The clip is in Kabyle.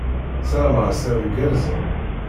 Ssarmeɣ-as iḍ igerrzen.